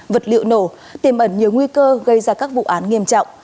vật liệu nổ tiêm ẩn nhiều nguy cơ gây ra các vụ án nghiêm trọng